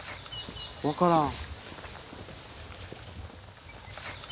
分からん。